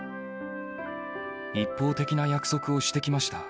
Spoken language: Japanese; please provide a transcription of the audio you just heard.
一方的な約束をしてきました。